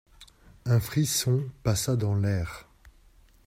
Un frisson passa dans l'air.